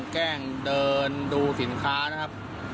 แกล้งเดินดูสินค้านะครับ